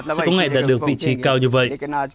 sẽ có ngại đạt được vị trí cao như vậy